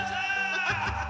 アハハハ！